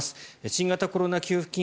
新型コロナ給付金